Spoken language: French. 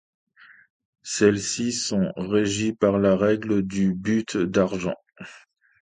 Celles-ci sont régies par la règle du but d'argent.